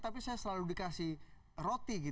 tapi saya selalu dikasih roti